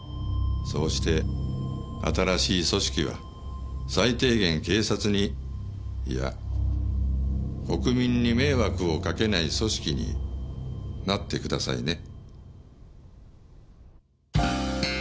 そうして新しい組織は最低限警察にいや国民に迷惑をかけない組織になってくださいね。